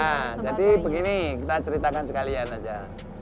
ya jadi begini kita ceritakan sekalian aja